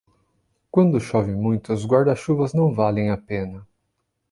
Quando chove muito, os guarda-chuvas não valem a pena.